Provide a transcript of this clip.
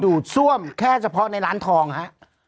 ดูดซ่วมแค่เฉพาะในร้านทองฮะ